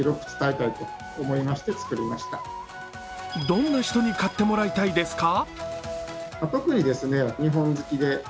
どんな人に買ってもらいたいですか？